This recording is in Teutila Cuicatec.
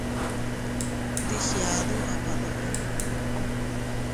Dii giadu ama dolin.